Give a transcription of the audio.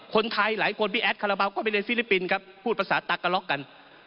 หลายคนพี่แอดคาราบาลก็ไปเรียนฟิลิปปินส์ครับพูดภาษาตากะล็อกกัน